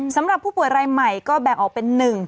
สำหรับผู้ป่วยรายใหม่ก็แบ่งออกเป็น๑